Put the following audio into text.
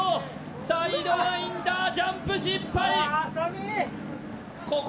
サイドワインダージャンプ失敗うわ